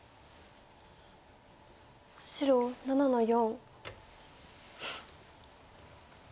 白７の四。